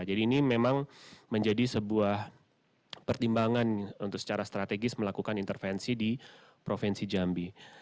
jadi ini memang menjadi sebuah pertimbangan untuk secara strategis melakukan intervensi di provinsi jambi